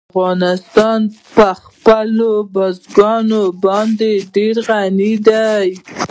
افغانستان په خپلو بزګانو باندې ډېر غني دی.